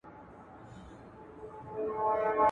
موږ بايد له کوچنيوالي څخه ماشومانو ته د کتاب مينه ور زده کړو ,